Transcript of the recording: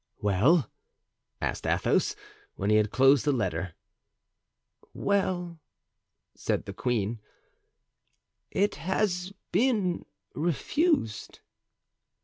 "Well?" asked Athos, when he had closed the letter. "Well," said the queen, "it has been refused."